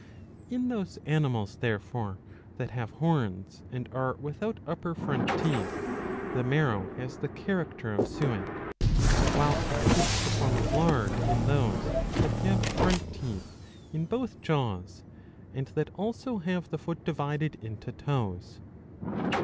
In those animals, therefore, that have horns and are without upper front teeth, the marrow has the character of suet ; while it takes the form of lard in those that have front teeth in both jaws, and that also have the foot divided into toes.